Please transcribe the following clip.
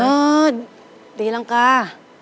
เออตีรังกา